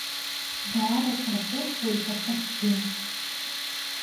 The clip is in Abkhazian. Даара сархәыцуеит аҽакгьы.